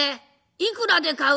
いくらで買う？」。